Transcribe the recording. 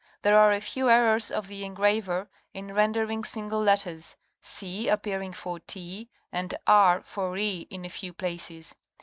There are a few errors of the engraver in rendering single letters '' c" appearing for ''t" and ''r" for ''e" in a few places.